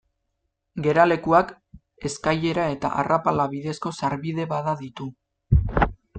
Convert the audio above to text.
Geralekuak eskailera eta arrapala bidezko sarbide bada ditu.